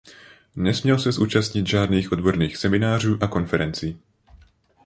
Nesměl se zúčastnit žádných odborných seminářů a konferencí.